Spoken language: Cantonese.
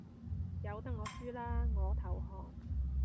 由得我輸啦，我投降